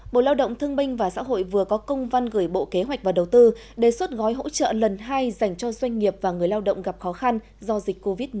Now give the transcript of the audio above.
bộ lao động thương binh và xã hội vừa có công văn gửi bộ kế hoạch và đầu tư đề xuất gói hỗ trợ lần hai dành cho doanh nghiệp và người lao động gặp khó khăn do dịch covid một mươi chín